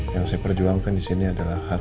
yang saya perjuangkan di sini adalah haknya kayla